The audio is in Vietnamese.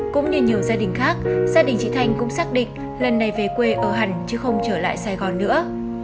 cũng như nhiều gia đình khác gia đình chị thanh cũng xác định lần này về quê ở hẳn chứ không trở lại sài gòn nữa